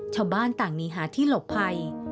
ชาวบ้านต่างหนีหาที่หลบภัย